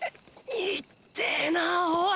痛ってェなおい！